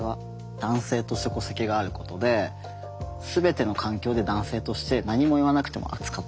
男性として戸籍があることで全ての環境で男性として何も言わなくても扱ってくれる。